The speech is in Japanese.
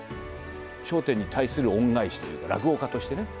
笑点に対する恩返しというか、落語家としてね。